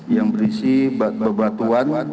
yang berisi bebatuan